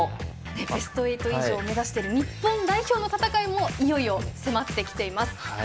ベスト８以上を目指す日本代表の戦いもいよいよ迫ってきています。